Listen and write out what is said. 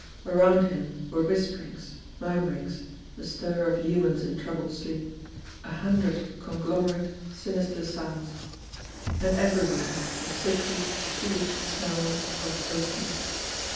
Around him were whisper ings, murmurings, the stir of humans in troubled sleep, a hundred conglomerate, sinister sounds ; and everywhere the sickly sweetish smell of opium.